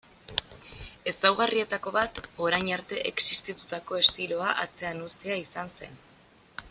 Ezaugarrietako bat, orain arte existitutako estiloa atzean uztea izan zen.